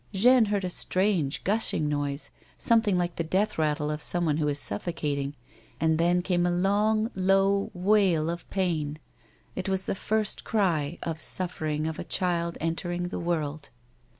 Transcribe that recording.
Jeanne heard a strange, gushing noise, something like the death rattle of someone who is sufibcating, and then came a long low wail of pain; it was the first cry of suffering of a child entering the world.